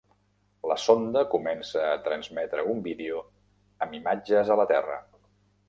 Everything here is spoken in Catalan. La sonda comença a transmetre un vídeo amb imatges a la Terra.